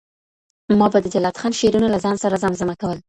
ما به د جلات خان شعرونه له ځان سره زمزمه کول.